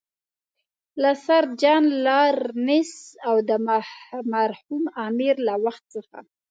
له سر جان لارنس او د مرحوم امیر له وخت څخه.